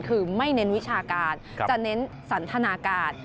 คือไม่เน้นวิชาการจะเน้นสันทนาการ